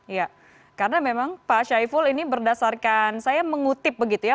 iya karena memang pak syaiful ini berdasarkan saya mengutip begitu ya